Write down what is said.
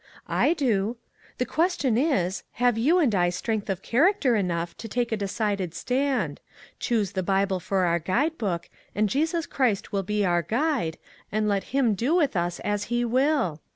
I do. The question is, have you and I strength of character enough to take a decided stand. Choose the Bible for our guide book, 287 MAG AND MARGARET and Jesus Christ for our guide, and let him do with us as he will?